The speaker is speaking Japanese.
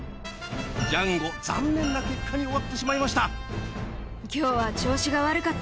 ジャンゴ残念な結果に終わってしまいました。